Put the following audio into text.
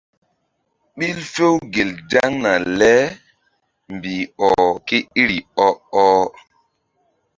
Ɓil few gel zaŋna le mbih ɔh ké iri ɔ-ɔh.